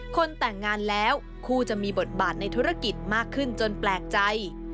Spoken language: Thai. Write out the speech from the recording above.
คนแต่งงานแล้วคู่จะมีบทบาทในธุรกิจมากขึ้นจนแปลกใจ